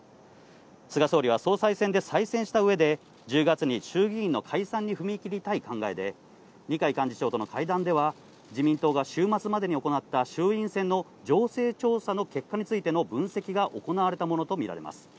菅総理は総裁選で再選した上で１０月に衆議院の解散に踏み切りたい考えで、二階幹事長との会談では自民党が週末までに行った衆院選の情勢調査の結果についての分析が行われたものとみられます。